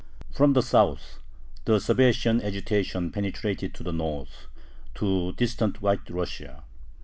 From the South, the Sabbatian agitation penetrated to the North, to distant White Russia.